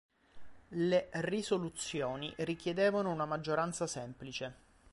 Le risoluzioni richiedevano una maggioranza semplice.